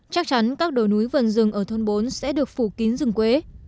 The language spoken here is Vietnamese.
chắc chắn các đồi núi vườn rừng ở thôn bốn sẽ được phủ kín rừng quế